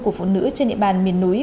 của phụ nữ trên địa bàn miền núi